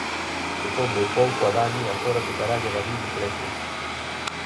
Tocoulle hai pouco a Dani e agora tocaralle a David Iglesias.